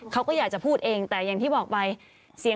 เขาก็อยากจะพูดเองแต่อย่างที่บอกไป